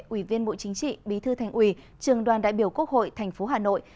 ủy viên bộ chính trị bí thư thành ủy trường đoàn đại biểu quốc hội tp hà nội